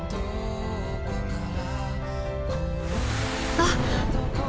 あっ！